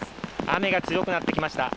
雨が強くなってきました。